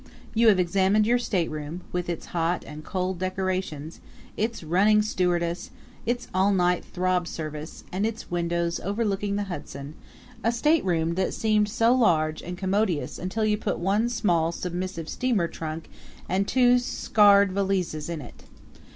You have examined your stateroom, with its hot and cold decorations, its running stewardess, its all night throb service, and its windows overlooking the Hudson a stateroom that seemed so large and commodious until you put one small submissive steamer trunk and two scared valises in it.